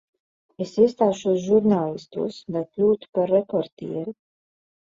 Es iestāšos žurnālistos, lai kļūtu par reportieri.